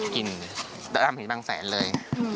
กินแต่ทำอย่างบางแสนเลย